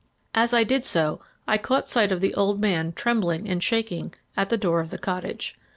As I did so I caught sight of the old man trembling and shaking at the door of the cottage.